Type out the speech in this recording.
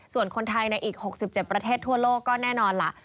ส่วนคนไทยในอีก๖๗ประเทศทั่วโลกก็แน่นอนล่ะ